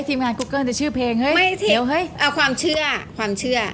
ทีมงานกูเกิลจะชื่อเพลงเฮ้ยเอาความเชื่อความเชื่อ